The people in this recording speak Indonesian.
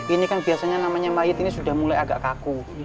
ini kan biasanya namanya mayt ini sudah mulai agak kaku